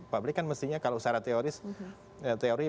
publik kan mestinya kalau secara teori